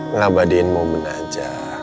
ngabadin momen aja